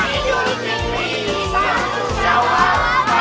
halo pemirsa punanta